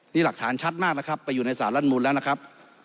นี่หลักฐานชัดมากนะครับไปอยู่ในสารรัฐมูลแล้วนะครับ